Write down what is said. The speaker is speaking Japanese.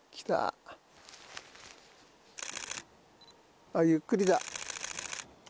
来た、あっ、ゆっくりだ！